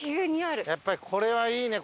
やっぱりこれはいいね